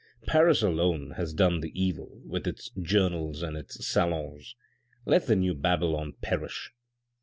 Paris alone has done the evil, with its journals and it salons. Let the new Babylon perish.